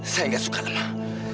saya nggak suka lemah